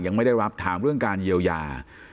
ยังไม่ได้รับถามเรื่องการเยียวยา